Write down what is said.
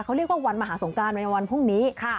เขาเรียกว่าวันมหาสงการไว้ในวันพรุ่งนี้